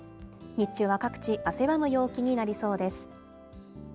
日中は各地、汗ばむ陽気になりそうです。